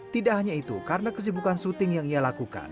tidak hanya itu karena kesibukan syuting yang ia lakukan